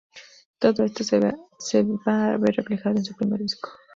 Todo esto se va a ver reflejado en su primer disco.